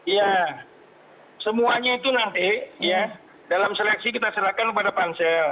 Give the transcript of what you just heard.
ya semuanya itu nanti ya dalam seleksi kita serahkan kepada pansel